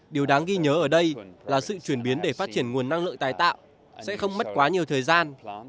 điều đáng ghi nhớ ở đây là sự chuyển biến để phát triển nguồn năng lượng tái tạo sẽ không mất quá nhiều thời gian